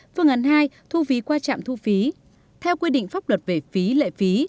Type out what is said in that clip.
phương án hai thu phí qua trạm thu phí theo quy định pháp luật về phí lệ phí